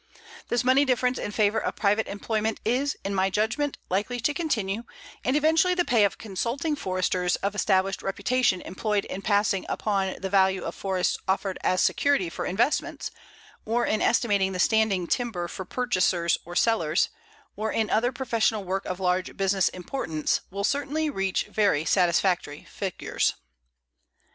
This money difference in favor of private employment is, in my judgment, likely to continue, and eventually the pay of consulting Foresters of established reputation employed in passing upon the value of forests offered as security for investments, or in estimating the standing timber for purchasers or sellers, or in other professional work of large business importance, will certainly reach very satisfactory figures.